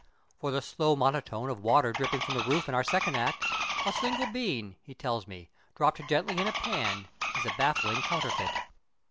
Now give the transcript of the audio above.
For the slow monotone of water dripping from the roof in our second act, a single bean, he tells me, dropped gently in a pan is a baffling counterfeit.